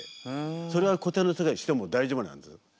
それは古典の世界でしても大丈夫なんです。